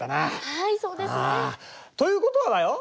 はいそうですね。ということはだよ